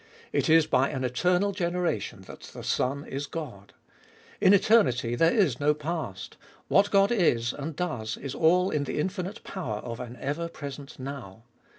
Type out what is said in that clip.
It is by an eternal generation that the Son is God. In eternity there is no past ; what God is and does is all in the infinite power of an ever present now.